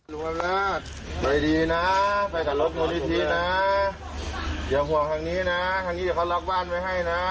รวมอำนาจไปดีนะไปกับรถมูลนิธินะอย่าห่วงทางนี้นะทางนี้เดี๋ยวเขาล็อกบ้านไว้ให้นะ